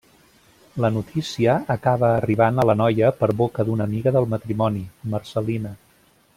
La notícia acaba arribant a la noia per boca d'una amiga del matrimoni, Marcel·lina.